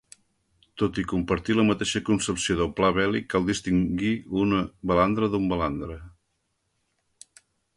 Tot i compartir la mateixa concepció del pla vèlic, cal distingir una balandra d'un balandre.